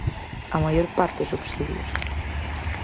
A maior parte, subsidios.